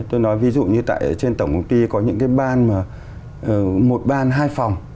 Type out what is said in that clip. tôi nói ví dụ như tại trên tổng công ty có những cái ban mà một ban hai phòng